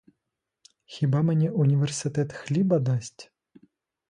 Хіба мені університет хліба дасть?